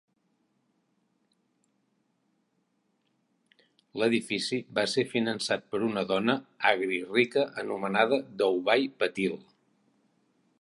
L'edifici va ser finançat per una dona agri rica anomenada Deubai Patil.